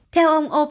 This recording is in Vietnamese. theo ông opat